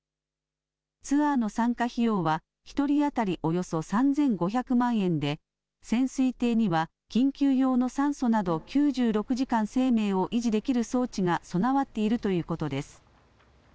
ツアーの参加費用は１人当たりおよそ３５００万円で潜水艇には緊急用の酸素など９６時間生命を維持できる装置が備わっているということです。